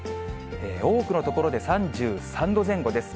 多くの所で３３度前後です。